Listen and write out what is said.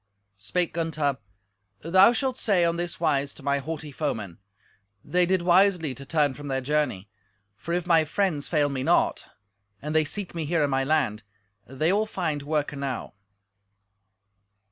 Spake Gunther, "Thou shalt say on this wise to my haughty foemen: They did wisely to turn from their journey, for if my friends fail me not, and they seek me here in my land, they will find work enow."